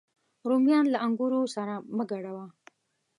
رومیان له انګورو سره مه ګډوه